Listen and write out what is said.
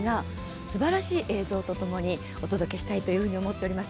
すばらしい映像とともにお届けしたいというふうに思っています。